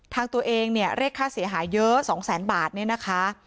ทางตัวเองเนี่ยเลขค่าเสียหายเยอะ๒๐๐๐๐๐บาทเนี่ยนะคะ